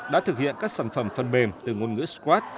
đã thực hiện các sản phẩm phân bềm từ ngôn ngữ squad